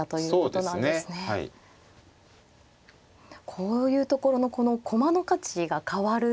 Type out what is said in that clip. こういうところのこの駒の価値が変わる。